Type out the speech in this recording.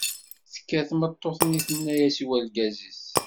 Tekker tmeṭṭut-nni tenna-as i urgaz-is.